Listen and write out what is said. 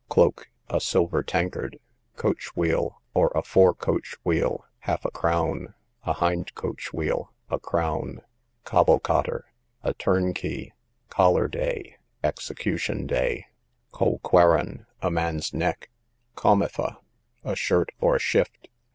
Cloak, a silver tankard. Coach wheel, or a fore coach wheel, half a crown; a hind coach wheel, a crown. Cobblecotter, a turnkey. Collar day, execution day. Colquarron, a man's neck. Comefa, a shirt, or shift.